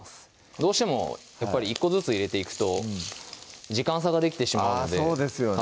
どうしてもやっぱり１個ずつ入れていくと時間差ができてしまうのでそうですよね